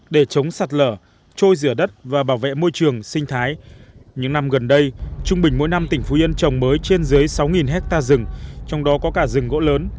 để chống sạt lở trôi rửa đất và bảo vệ môi trường sinh thái những năm gần đây trung bình mỗi năm tỉnh phú yên trồng mới trên dưới sáu hectare rừng trong đó có cả rừng gỗ lớn